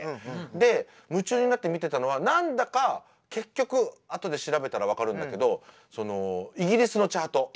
で夢中になって見てたのは何だか結局後で調べたら分かるんだけどイギリスのチャート。